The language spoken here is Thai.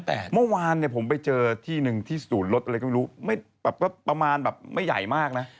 แต่เมื่อวานเนี่ยผมไปเจอที่หนึ่งที่ศูนย์รถอะไรก็รู้ไม่แบบก็ประมาณแบบไม่ใหญ่มากนะ